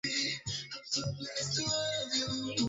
washtakiwa hao pia wanashtakiwa kwa uhalivu wa vita